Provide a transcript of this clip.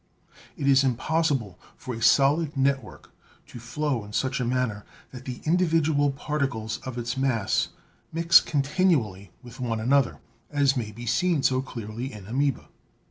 It is impossible for a solid network to flow in such a manner that the individual particles of its mass mix continually with one another, as may be seen so clearly in Amoeba.